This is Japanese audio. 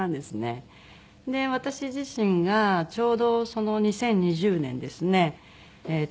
私自身がちょうど２０２０年ですねえっと